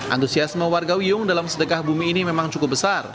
antusiasme warga wiyung dalam sedekah bumi ini memang cukup besar